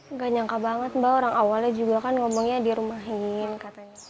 nggak nyangka banget mbak orang awalnya juga kan ngomongnya dirumahin katanya